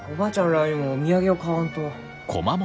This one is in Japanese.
らあにも土産を買わんと。